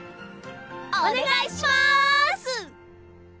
お願いします！